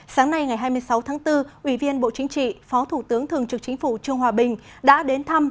sáng nay ngày hai mươi sáu tháng bốn ủy viên bộ chính trị phó thủ tướng thường trực chính phủ trương hòa bình đã đến thăm